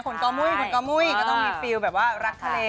คนกอมุ้ยก็ต้องมีฟีลแบบว่ารักทะเล